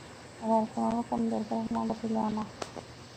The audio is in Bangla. এবারে কোনোরকম দুর্ঘটনা ঘটিল না।